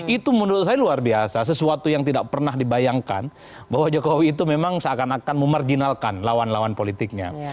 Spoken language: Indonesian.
itu menurut saya luar biasa sesuatu yang tidak pernah dibayangkan bahwa jokowi itu memang seakan akan memarjinalkan lawan lawan politiknya